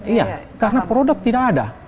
iya karena produk tidak ada